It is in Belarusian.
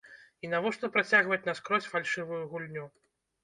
І навошта працягваць наскрозь фальшывую гульню?